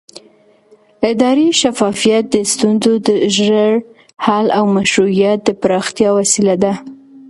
اداري شفافیت د ستونزو د ژر حل او مشروعیت د پراختیا وسیله ده